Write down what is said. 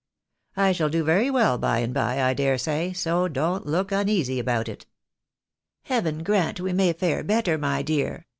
I shall do very well, by and by, I dare say, so don't look uneasy about it." " Heaven grant we may fare better, my dear